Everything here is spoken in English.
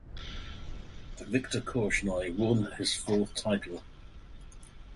Viktor Korchnoi won his fourth title.